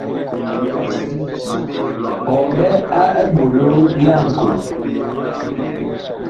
Ɔ mɓɛ la eɓolo laŋkoo ?